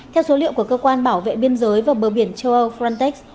theo số liệu của cơ quan bảo vệ biên giới và bờ biển châu âu frontex